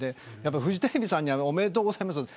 フジテレビさんにはおめでとうございますと。